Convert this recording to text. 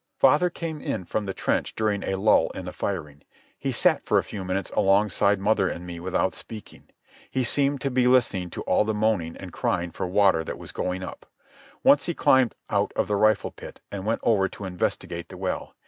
Father came in from the trench during a lull in the firing. He sat for a few minutes alongside mother and me without speaking. He seemed to be listening to all the moaning and crying for water that was going up. Once he climbed out of the rifle pit and went over to investigate the well.